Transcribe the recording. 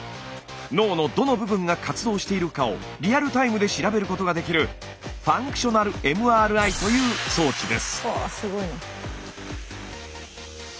脳のどの部分が活動しているかをリアルタイムで調べることができるファンクショナルＭＲＩという装置です。